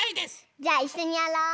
じゃあいっしょにやろう！